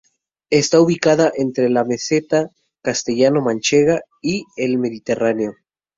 Está ubicada entre la meseta castellano-manchega y el Mediterráneo.